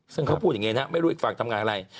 ซึ่งเขาพูดอย่างนี้นะไม่รู้อีกฝั่งทำงานอะไร